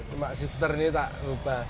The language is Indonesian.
cuma shifter ini tak diubah